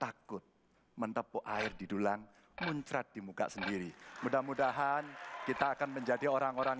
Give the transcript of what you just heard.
takut mentepuk air di dulang muncrat di muka sendiri mudah mudahan kita akan menjadi orang orang